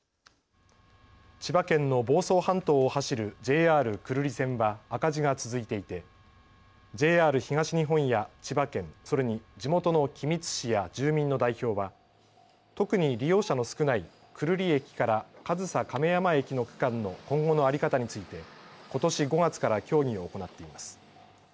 千葉県の房総半島を走るＪＲ久留里線は赤字が続いていてＪＲ東日本や千葉県それに地元の君津市や住民の代表は特に利用者の少ない久留里駅から上総亀山駅の区間の今後の在り方についてことし５月から協議を行っています。